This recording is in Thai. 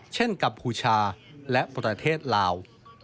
เช่นกับพูชาและประเทศลาว